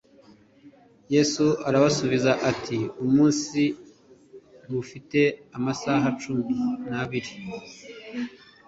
Yesu arabasubiza ati: "Umunsi ntufite amasaha cumi n'abiri ?"